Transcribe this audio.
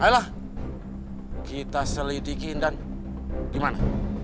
ayolah kita selidikin dan gimana